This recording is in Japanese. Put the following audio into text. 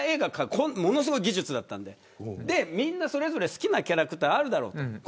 ものすごい技術だったのでみんなそれぞれ好きなキャラクターあるだろう。